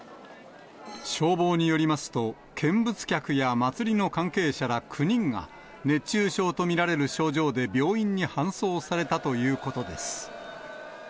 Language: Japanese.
消防によりますと、見物客や祭りの関係者ら９人が、熱中症と見られる症状で病院に搬送されたということです。